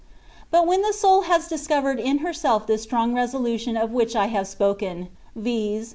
But when the soul has discovered in herself this strong resolution of which I hmve spoken, vix.